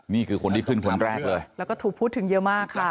นี่คือคนที่ขึ้นคนแรกเลยแล้วก็ถูกพูดถึงเยอะมากค่ะ